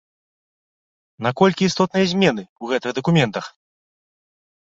На колькі істотныя змены ў гэтых дакументах?